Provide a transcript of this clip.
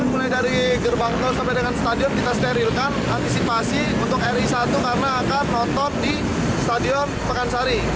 mulai dari gerbang tol sampai dengan stadion kita sterilkan antisipasi untuk ri satu karena akan nonton di stadion pakansari